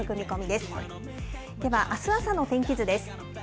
では、あす朝の天気図です。